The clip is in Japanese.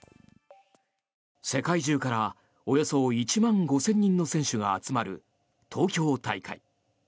世界中からおよそ１万５０００人の選手が集まる東京大会。